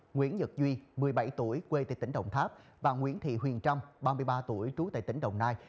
nguyễn nhật duy một mươi bảy tuổi quê tại tỉnh đồng tháp và nguyễn thị huyền trâm ba mươi ba tuổi trú tại tỉnh đồng nai